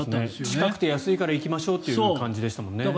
近くて安いから行きましょうという感じでしたよね。